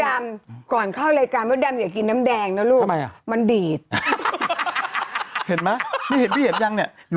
หนุ่มก็อยากกินน้ำแดงนะลูกผ้ากันดีดอยู่นั่นนะ